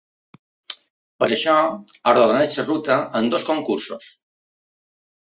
Per això, arrodoneix la ruta amb dos concursos.